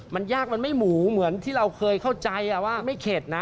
มันยากมันไม่หมูเหมือนที่เราเคยเข้าใจว่าไม่เข็ดนะ